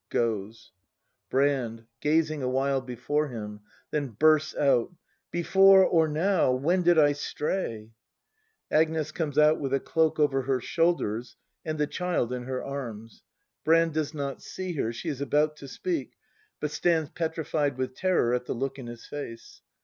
[Goes. Brand. [Gazing a while before him: then bursts out.] Before — or now, — when did I stray ? Agnes comes out with a cloak over her shoulders and the child in her arms; Brand does not see her; she is about to speak, but stands petrified with terror at the look in his face.